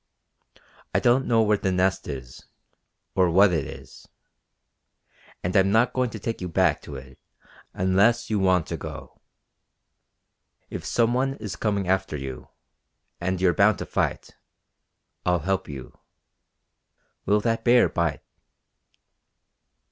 I don't know where the Nest is, or what it is. And I'm not going to take you back to it unless you want to go. If some one is coming after you, and you're bound to fight. I'll help you. Will that bear bite?"